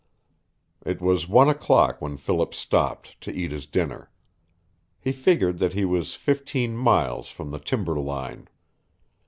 It was one o'clock when Philip stopped to eat his dinner. He figured that he was fifteen miles from the timber line.